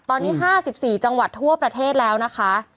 ตอนนี้๕๔จังหวัดทั่วประเทศแล้วนะคะ